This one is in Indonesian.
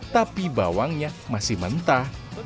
tapi bawangnya masih mentah